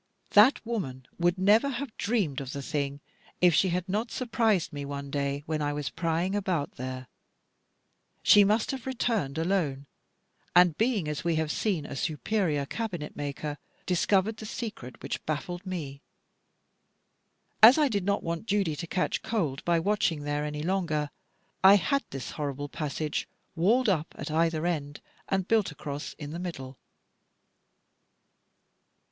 That woman would never have dreamed of the thing, if she had not surprised me one day when I was prying about there; she must have returned alone, and being, as we have seen, a superior cabinet maker, discovered the secret which baffled me. As I did not want Judy to catch cold by watching there any longer, I had this horrible passage walled up at either end, and built across in the middle.